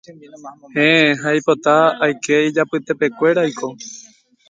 Héẽ ha nde reipota aike ijapytepekuéraiko